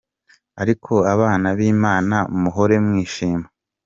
Ariko abana b’ Imana muhore mwishima.